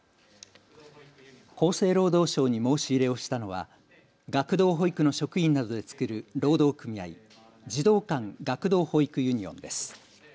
厚生労働省に申し入れをしたのは学童保育の職員などで作る労働組合、児童館・学童保育ユニオンです。